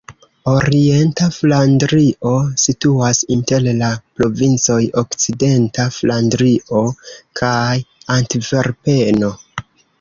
Orienta Flandrio situas inter la provincoj Okcidenta Flandrio kaj Antverpeno.